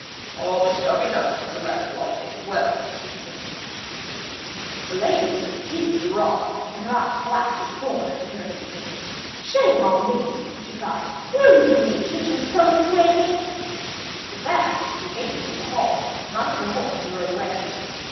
'All this shall be done if Sir Lancelot think it well,' said the king. But the lady was exceedingly wroth, and her eyes flashed with scorn as she turned to the king: 'Shame on thee!' she cried; 'will you give me a kitchen scullion to aid me?' With that she hastened from the hall, mounted her horse and rode away.